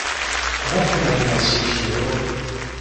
思ってもみない仕打ちに驚く